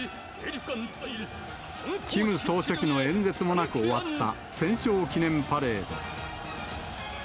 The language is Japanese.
キム総書記の演説もなく終わった戦勝記念パレード。